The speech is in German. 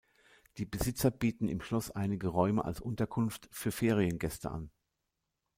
Die Besitzer bieten im Schloss einige Räume als Unterkunft für Feriengäste an.